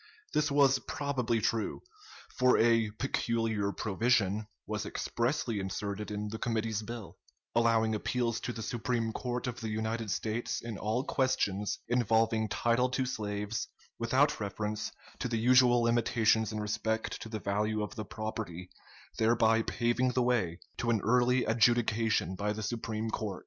This was probably true; for a "peculiar provision" was expressly inserted in the committee's bill, allowing appeals to the Supreme Court of the United States in all questions involving title to slaves, without reference to the usual limitations in respect to the value of the property, thereby paving the way to an early adjudication by the Supreme Court.